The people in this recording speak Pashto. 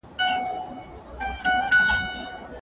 هر څېړونکی غواړي چي نوي پایلي ترلاسه کړي.